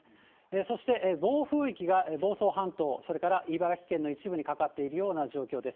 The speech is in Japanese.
そして暴風域が房総半島、それから茨城県の一部にかかっているような状況です。